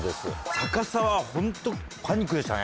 逆さはホントパニックでしたね。